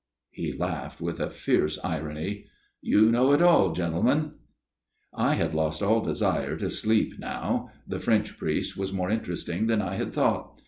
He laughed with a fierce irony. " You know it all, gentlemen !" I had lost all desire to sleep now. The French priest was more interesting than I had thought.